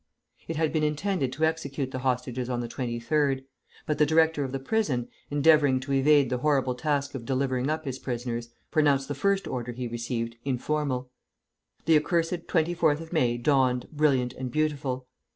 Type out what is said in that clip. It had been intended to execute the hostages on the 23d; but the director of the prison, endeavoring to evade the horrible task of delivering up his prisoners, pronounced the first order he received informal. The accursed 24th of May dawned, brilliant and beautiful.